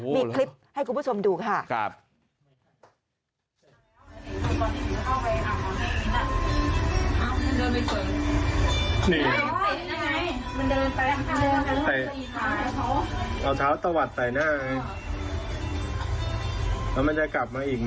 มีคลิปให้คุณผู้ชมดูค่ะ